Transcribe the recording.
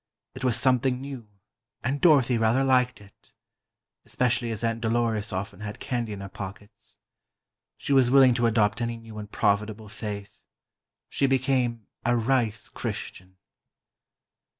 It was something new, and Dorothy rather liked it. Especially as Aunt Dolores often had candy in her pockets. She was willing to adopt any new and profitable faith. She became a "rice Christian."